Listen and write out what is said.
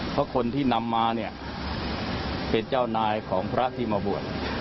เพราะคนที่นำมาเนี่ยเป็นเจ้านายของพระที่มาบวช